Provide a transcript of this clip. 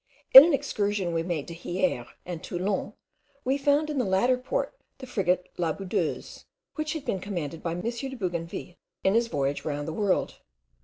In an excursion we made to Hyeres and Toulon, we found in the latter port the frigate la Boudeuse, which had been commanded by M. de Bougainville, in his voyage round the world.